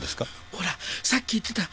ほらさっき言ってた